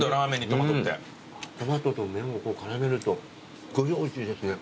トマトと麺を絡めるとおいしいですね。